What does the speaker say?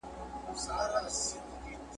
توبه چي زه به له میني موړ یم ..